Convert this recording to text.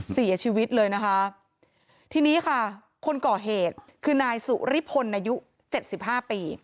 เสียชีวิตเลยนะคะทีนี้ค่ะคนก่อเหตุคือนายสุริพลอายุเจ็ดสิบห้าปี